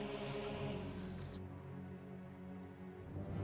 pergi ke sana